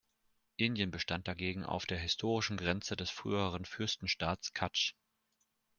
Indien bestand dagegen auf der historischen Grenze des früheren Fürstenstaats Kachchh.